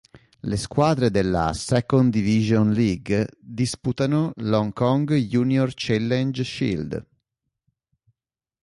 Le squadre della Second Division League disputano l'Hong Kong Junior Challenge Shield.